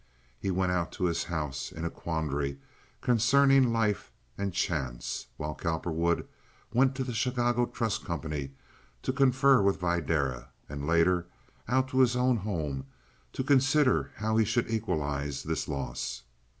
He went out to his house in a quandary concerning life and chance; while Cowperwood went to the Chicago Trust Company to confer with Videra, and later out to his own home to consider how he should equalize this loss.